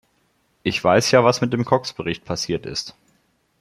Ich weiß ja, was mit dem Cox-Bericht passiert ist.